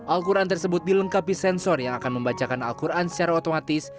al quran tersebut dilengkapi sensor yang akan membacakan al quran secara otomatis